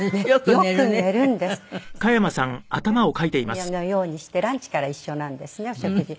それでブランチのようにしてランチから一緒なんですねお食事。